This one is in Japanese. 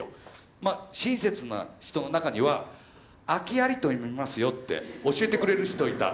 まあ親切な人の中には「『空あり』と読みますよ」って教えてくれる人いた。